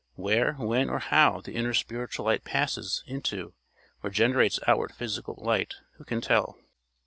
Where, when, or how the inner spiritual light passes into or generates outward physical light, who can tell?